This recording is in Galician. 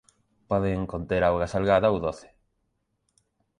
Poden conter auga salgada ou doce.